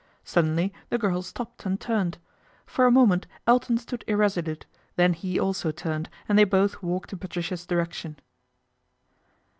Suddenly the girl stopped and turned. For a moment Elton stood irresolute, then he also turned and they both walked in Patricia's direc tion.